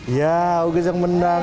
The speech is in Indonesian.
ya ugas yang menang